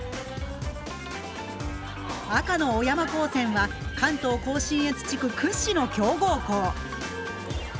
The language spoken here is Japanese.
赤の小山高専は関東甲信越地区屈指の強豪校。